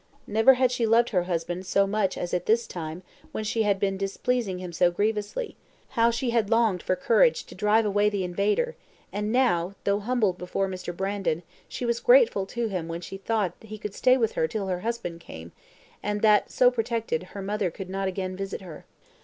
Never had she loved her husband so much as at this time when she had been displeasing him so grievously; how she had longed for courage to drive away the invader! and now, though humbled before Mr. Brandon, she was grateful to him when she thought that he could stay with her till her husband came, and that, so protected, her mother could not again visit her.